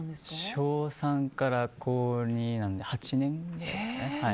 小３から高２なので８年ぐらいですね。